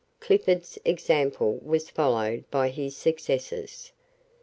Clifford's example was followed by his successors.